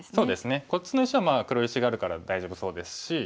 こっちの石は黒石があるから大丈夫そうですし。